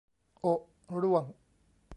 โอะร่วง